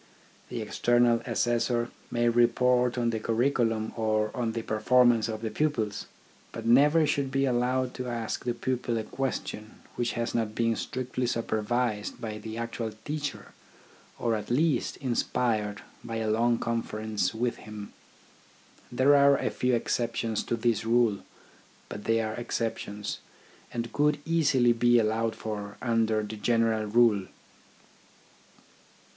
The external* assessor may report on the curriculum or on the perform ance of the pupils, but never should be allowed to ask the pupil a question which has not been strictly supervised by the actual teacher, or at least inspired by a long conference with him. There are a few exceptions to this rule, but they are exceptions, and could easily be allowed for under the general rule.